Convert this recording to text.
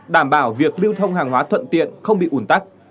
đảm bảo việc lưu thông hàng hóa thuận tiện không bị ủn tắc